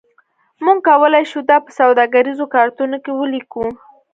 موږ کولی شو دا په سوداګریزو کارتونو کې ولیکو